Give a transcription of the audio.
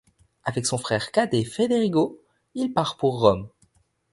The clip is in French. Avec son frère cadet Federigo, il part pour Rome.